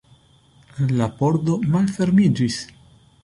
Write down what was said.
La pordo malfermiĝis.